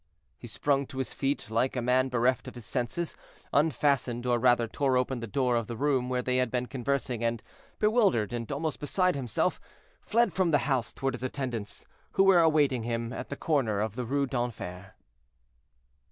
He sprung to his feet like a man bereft of his senses, unfastened, or rather tore open the door of the room where they had been conversing, and, bewildered and almost beside himself, fled from the house toward his attendants, who were awaiting him at the corner of the Rue d'Enfer.